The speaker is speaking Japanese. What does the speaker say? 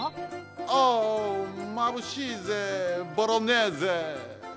オーまぶしいぜボロネーゼ！